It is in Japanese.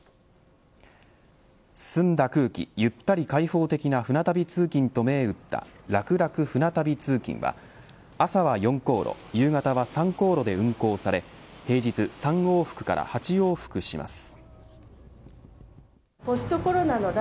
澄んだ空気、ゆったり開放的な船旅通勤と銘打ったらくらく舟旅通勤は朝は４航路夕方は３航路で運航され平日３往復から８往復します。